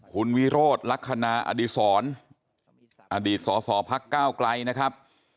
คุณวิโรธลักษณะอดีศรอดีตสศพกนะครับ